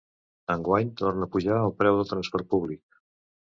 Enguany torna a pujar el preu del transport públic.